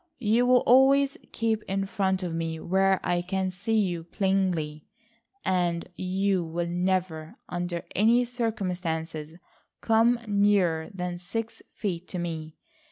You will always keep in front of me where I can see you plainly, and you will never, under any circumstances come nearer than six feet to me.